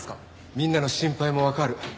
みんなの心配もわかる。